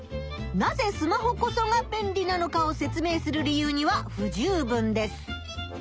なぜスマホこそが便利なのかを説明する理由には不十分です。